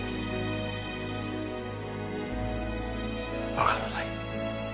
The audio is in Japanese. わからない。